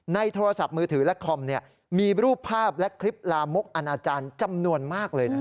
โทรศัพท์มือถือและคอมมีรูปภาพและคลิปลามกอนาจารย์จำนวนมากเลยนะ